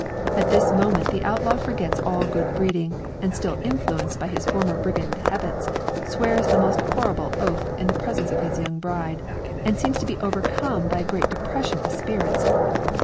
At this moment the outlaw forgets all good breeding, and still influenced by his former brigand habits, swears a most horrible oath in the presence of his young bride, and seems to be overcome by great depression of spirits.